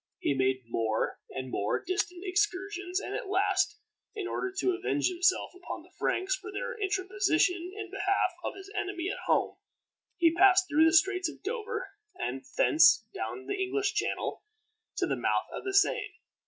He made more and more distant excursions, and at last, in order to avenge himself upon the Franks for their interposition in behalf of his enemy at home, he passed through the Straits of Dover, and thence down the English Channel to the mouth of the Seine.